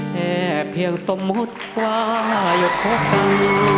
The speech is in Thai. แค่เพียงสมมติว่ายดพบกัน